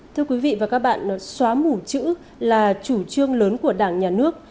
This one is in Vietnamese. thưa quý vị và các bạn xóa mù chữ là chủ trương lớn của đảng nhà nước